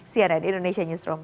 sian dan indonesia newsroom